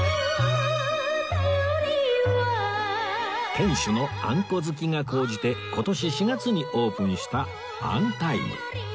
店主のあんこ好きが高じて今年４月にオープンしたあんたいむ